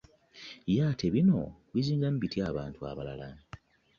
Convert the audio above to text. Ye ate bino bizingiramu bitya abantu abalala